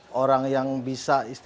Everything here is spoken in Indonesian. sekarang dia adalah seorang guru bagi kami